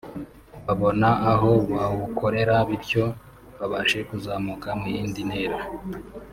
babona aho bawukorera bityo babashe kuzamuka mu yindi ntera